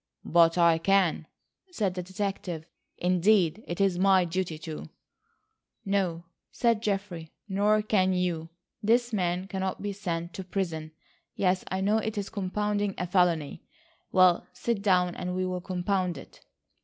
"But I can," said the detective; "indeed it is my duty to." "No," said Geoffrey, "nor can you. This man cannot be sent to prison. Yes, I know, it is compounding a felony. Well, sit down, and we'll compound it."